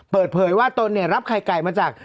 เปิดเผยว่าตนเนี่ยรับไข่ไก่มาจาก